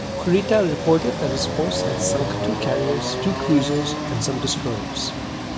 Kurita reported that his force had sunk two carriers, two cruisers, and some destroyers.